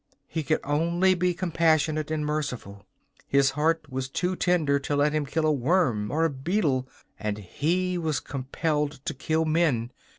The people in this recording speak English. He could only be compassionate and merciful. His heart was too tender to let him kill a worm or a beetle, and he was compelled to kill men.